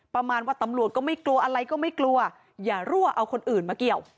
ประมาณว่าตำรวจก็ไม่กลัวอะไรก็ไม่กลัวอย่ารั่วเอาคนอื่นมาเกี่ยว